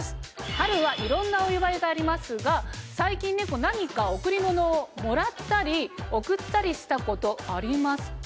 春はいろんなお祝いがありますが最近何か贈り物をもらったり贈ったりしたことありますか？